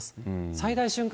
最大瞬間